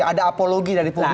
ada apologi dari publik